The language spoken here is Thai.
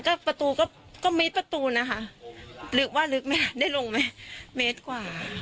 ก็ประตูก็ก็เมตรประตูนะคะลึกว่าลึกไหมได้ลงไหมเมตรกว่า